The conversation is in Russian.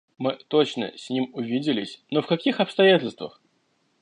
– Мы точно с ним увиделись, но в каких обстоятельствах!..